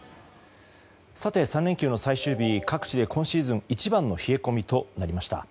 ３連休の最終日各地で今シーズン一番の冷え込みとなりました。